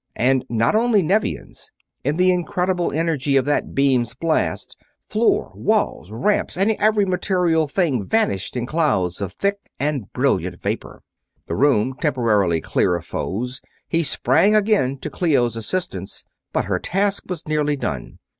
And not only Nevians in the incredible energy of that beam's blast floor, walls, ramps, and every material thing vanished in clouds of thick and brilliant vapor. The room temporarily clear of foes, he sprang again to Clio's assistance, but her task was nearly done.